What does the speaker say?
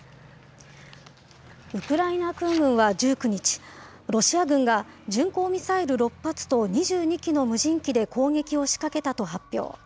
ウクライナ空軍は１９日、ロシア軍が巡航ミサイル６発と２２機の無人機で攻撃を仕掛けたと発表。